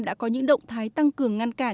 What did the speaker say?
đã có những động thái tăng cường ngăn cản